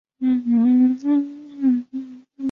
他的家庭是来自黎巴嫩的马龙派基督徒移民家庭。